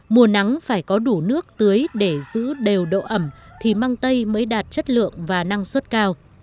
mùa nắng phải có đủ nước tưới để giữ đều độ ẩm thì măng tây mới đạt chất lượng và năng suất cao